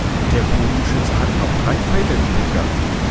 Der Bogenschütze hat noch drei Pfeile im Köcher.